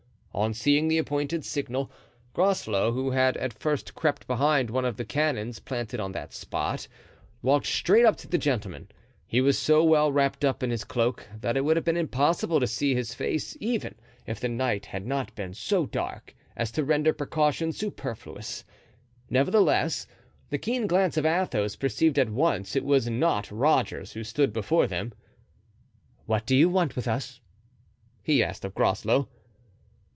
On seeing the appointed signal, Groslow, who had at first crept behind one of the cannons planted on that spot, walked straight up to the gentlemen. He was so well wrapped up in his cloak that it would have been impossible to see his face even if the night had not been so dark as to render precaution superfluous; nevertheless, the keen glance of Athos perceived at once it was not Rogers who stood before them. "What do you want with us?" he asked of Groslow.